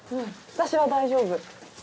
私は大丈夫。